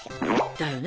だよね。